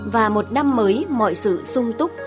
và một năm mới mọi sự sung túc